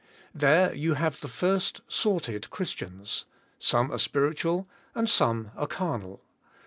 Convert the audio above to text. There you have the first sorted Christians, some are spiritual and some are carnal.